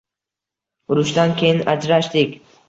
Urushdan keyin ajrashdik